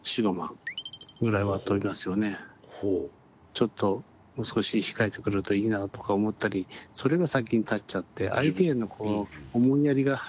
ちょっともう少し控えてくれるといいなとか思ったりそれが先に立っちゃって相手へのこう思いやりが。